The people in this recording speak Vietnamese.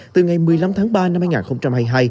từ ngày một mươi năm tháng ba năm hai nghìn hai mươi hai